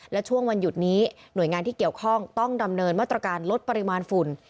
และช่วงวันหยุดนี้หน่วยงานที่เกี่ยวข้องต้องดำเนินมาตรการลดปริมาณฝุ่น